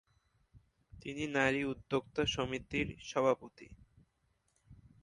তিনি নারী উদ্যোক্তা সমিতির সভাপতি।